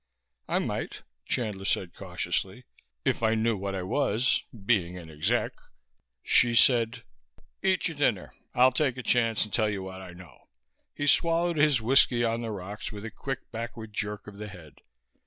"I might," Chandler said cautiously, "if I knew what I was being an exec." Hsi said, "Eat your dinner. I'll take a chance and tell you what I know." He swallowed his whiskey on the rocks with a quick backward jerk of the head.